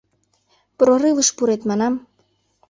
Прорывыш пурет, манам...